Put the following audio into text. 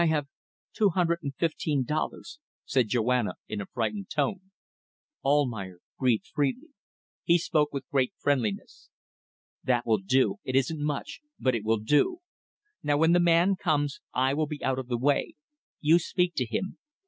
"I have two hundred and fifteen dollars," said Joanna, in a frightened tone. Almayer breathed freely. He spoke with great friendliness "That will do. It isn't much, but it will do. Now when the man comes I will be out of the way. You speak to him.